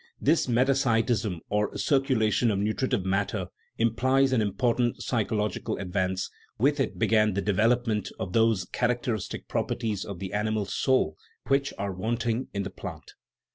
* This metasitism, or cir culation of nutritive matter, implies an important psy chological advance; with it began the development of those characteristic properties of the animal soul which are wanting in the plant.